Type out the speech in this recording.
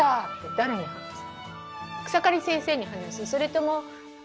誰に話す？